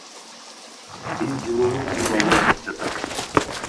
Биз жылуулук тууралуу айтып жатабыз.